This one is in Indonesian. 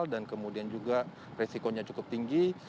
dan kemudian juga resikonya cukup tinggi